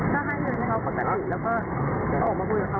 นี่ถ้าให้เพิ่งไปเขาก็จะหยุดแล้วก็อ้อมมาบุญกับเค้า